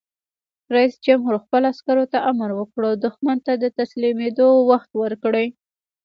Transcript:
رئیس جمهور خپلو عسکرو ته امر وکړ؛ دښمن ته د تسلیمېدو وخت ورکړئ!